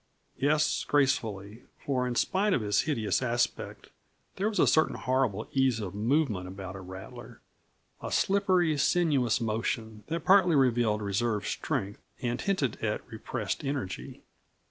Yes, gracefully, for in spite of his hideous aspect, there was a certain horrible ease of movement about a rattler a slippery, sinuous motion that partly revealed reserve strength, and hinted at repressed energy.